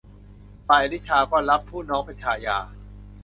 ฝ่ายอนุชาก็รับผู้น้องเป็นชายา